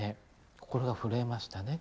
心が震えましたね。